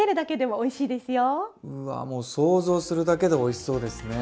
もう想像するだけでおいしそうですね！